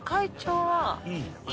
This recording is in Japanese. はい。